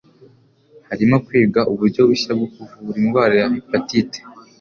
Harimo kwigwa uburyo bushya bwo kuvura indwara ya hepatite